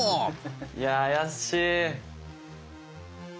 いや怪しい。